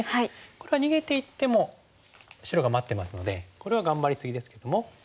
これは逃げていっても白が待ってますのでこれは頑張り過ぎですけどもここで。